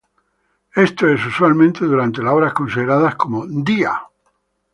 Esto es usualmente durante las horas consideradas como "día".